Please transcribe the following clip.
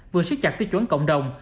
vừa siết chặt tiết chuẩn cộng đồng